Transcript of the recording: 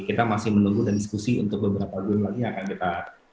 kita masih menunggu dan diskusi untuk beberapa bulan lagi yang akan kita